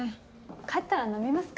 帰ったら飲みますか。